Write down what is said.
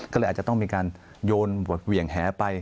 ก็เลยอาจจะต้องมีการโยนบทเหวี่ยงแหไป